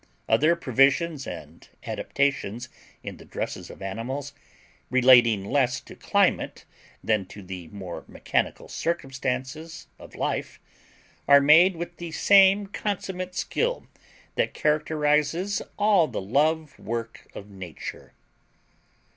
Other provisions and adaptations in the dresses of animals, relating less to climate than to the more mechanical circumstances of life, are made with the same consummate skill that characterizes all the love work of Nature.